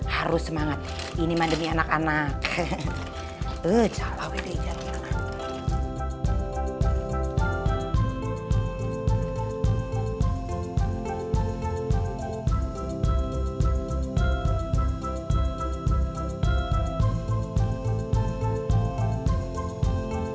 harus semangat ini mandemi anak anak hehehe e calendar